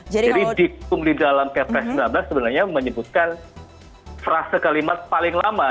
jadi dikumul di dalam kepres sembilan belas sebenarnya menyebutkan frase kalimat paling lama